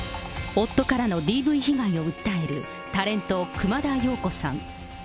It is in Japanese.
夫からのＤＶ被害を訴えるタレント、熊田曜子さん。